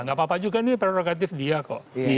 gak apa apa juga ini prerogatif dia kok